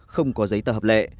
không có giấy tờ hợp lệ